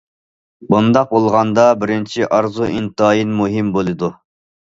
بۇنداق بولغاندا، بىرىنچى ئارزۇ ئىنتايىن مۇھىم بولىدۇ.